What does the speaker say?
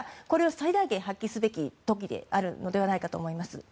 これを最大限発揮すべき時であるのではないかと思います。